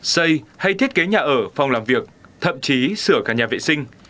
xây hay thiết kế nhà ở phòng làm việc thậm chí sửa cả nhà vệ sinh